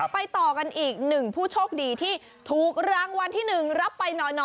ไปต่อกันอีกหนึ่งผู้โชคดีที่ถูกรางวัลที่๑รับไปหน่อ